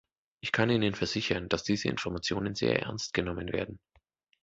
Ich kann Ihnen versichern, dass diese Informationen sehr ernst genommen werden.